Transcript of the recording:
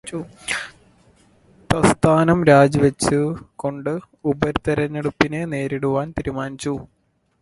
തത്സ്ഥാനം രാജി വച്ചു കൊണ്ട് ഉപതെരെഞ്ഞെടുപ്പിനെ നേരിടുവാന് തീരുമാനിച്ചു.